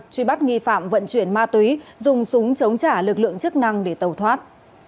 truy bắt nghi phạm vận chuyển ma túy dùng súng chống trả lực lượng chức năng để tàu thoát